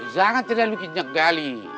jangan terlalu kinyegali